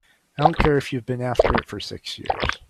I don't care if you've been after it for six years!